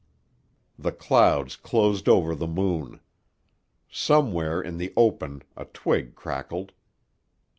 The clouds closed over the moon. Somewhere in the open a twig crackled.